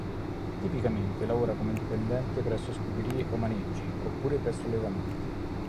Tipicamente lavora come dipendente presso scuderie o maneggi, oppure presso allevamenti.